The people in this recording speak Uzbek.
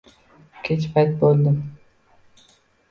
Kech payt bo'ldi.